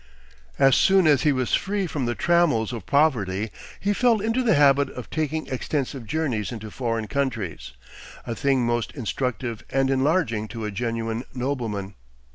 As soon as he was free from the trammels of poverty he fell into the habit of taking extensive journeys into foreign countries, a thing most instructive and enlarging to a genuine nobleman.